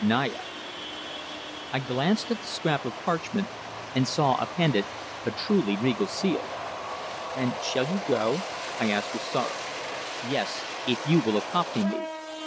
_ "NAYA.'" I glanced at the scrap of parchment, and saw appended a truly regal seal. "And shall you go?" I asked with sorrow. "Yes if you will accompany me."